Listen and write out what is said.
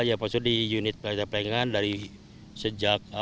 ya maksudnya di unit plta plengan dari sejak